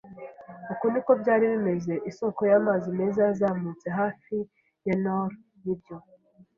Uku niko byari bimeze: isoko y'amazi meza yazamutse hafi ya knoll. Nibyo,